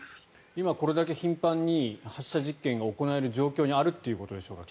今これだけ頻繁に発射実験が行われる場所にあるということですね。